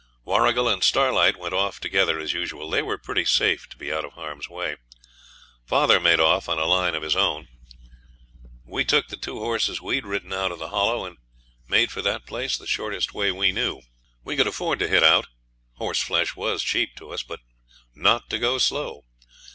Warrigal and Starlight went off together as usual; they were pretty safe to be out of harm's way. Father made off on a line of his own. We took the two horses we'd ridden out of the Hollow, and made for that place the shortest way we knew. We could afford to hit out horse flesh was cheap to us but not to go slow.